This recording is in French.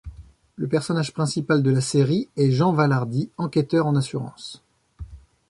Le personnage principal de la série est Jean Valhardi, enquêteur en assurances.